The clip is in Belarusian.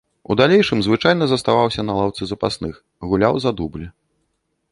У далейшым звычайна заставаўся на лаўцы запасных, гуляў за дубль.